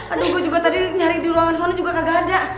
aduh gue juga tadi nyari di ruangan sana juga gak ada